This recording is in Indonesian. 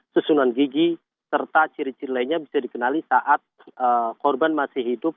susunan gigi serta ciri ciri lainnya bisa dikenali saat korban masih hidup